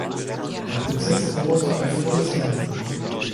Der Prozess dauerte ein volles Jahr.